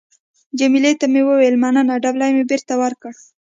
جميله ته مې وویل: مننه. دبلی مې بېرته ورکړ.